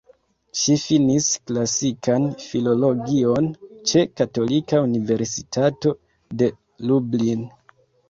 Ŝi finis klasikan filologion ĉe Katolika Universitato de Lublin.